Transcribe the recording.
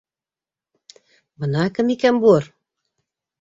Бына кем икән бур!